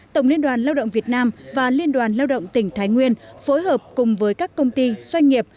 tổng liên đoàn lao động việt nam và liên đoàn lao động tỉnh thái nguyên phối hợp cùng với các công ty doanh nghiệp